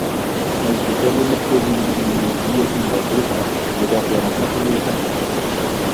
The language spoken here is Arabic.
الكتاب مكتوب بإنجليزية بسيطة، لذا قراءته سهلة.